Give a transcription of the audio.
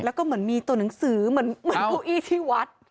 แล้วก็เหมือนมีตัวหนังสือเหมือนเก้าอี้ที่วัด